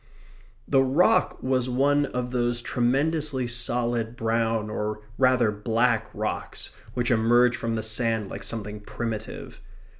The rock was one of those tremendously solid brown, or rather black, rocks which emerge from the sand like something primitive.